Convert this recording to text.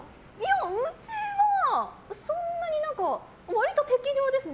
うちはそんなに割と適量ですね。